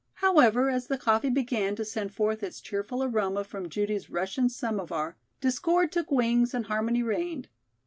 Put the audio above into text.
However, as the coffee began to send forth its cheerful aroma from Judy's Russian samovar, discord took wings and harmony reigned.